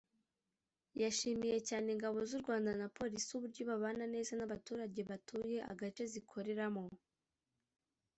yashimiye cyane Ingabo z’u Rwanda na Polisi uburyo babana neza n’abaturage batuye agace zikoreramo